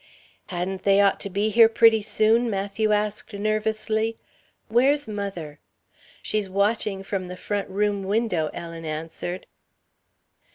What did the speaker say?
"Hadn't they ought to be here pretty soon?" Matthew asked nervously. "Where's mother?" "She's watching from the front room window," Ellen answered.